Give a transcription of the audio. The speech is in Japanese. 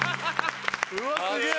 うわすげえ！